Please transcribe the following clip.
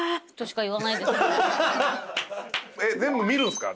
全部見るんすか？